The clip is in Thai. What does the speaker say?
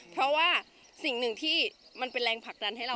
เพราะว่าสิ่งหนึ่งที่มันเป็นแรงผลักดันให้เรา